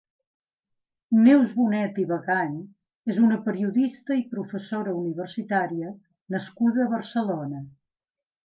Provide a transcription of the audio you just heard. Neus Bonet i Bagant és una periodista i professora universitària nascuda a Barcelona.